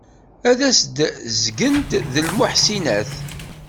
Ad as-d-zgent d lmuḥsinat.